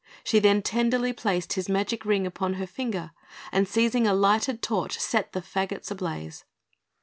She then tenderly placed his magic Ring upon her finger, and seizing a lighted torch, set the faggots ablaze.